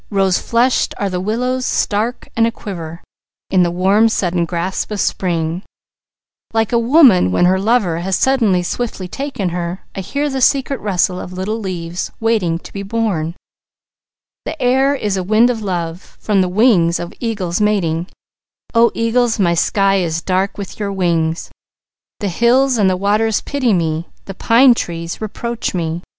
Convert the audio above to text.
Rose flushed are the willows, stark and a quiver, In the warm sudden grasp of Spring; Like a woman when her lover has suddenly, swiftly taken her. I hear the secret rustle of little leaves, Waiting to be born. The air is a wind of love From the wings of eagles mating O eagles, my sky is dark with your wings! The hills and the waters pity me, The pine trees reproach me.